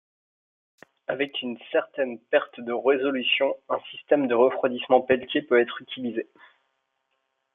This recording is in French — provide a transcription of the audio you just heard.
Avec une certaine perte de résolution, un système de refroidissement Peltier peut être utilisé.